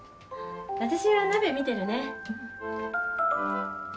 私は鍋見てるね。